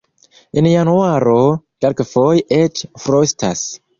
En januaro kelkfoje eĉ frostas.